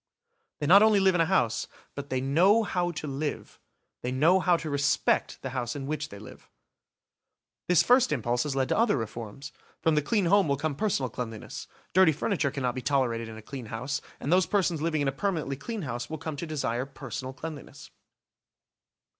They not only live in a house, but they know how to live, they know how to respect the house in which they live. This first impulse has led to other reforms. From the clean home will come personal cleanliness. Dirty furniture cannot be tolerated in a clean house, and those persons living in a permanently clean house will come to desire personal cleanliness.